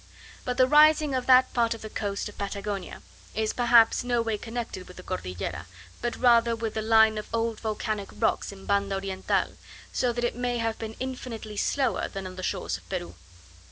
But the rising of that part of the coast of Patagonia, is perhaps no way connected with the Cordillera, but rather with a line of old volcanic rocks in Banda Oriental, so that it may have been infinitely slower than on the shores of Peru.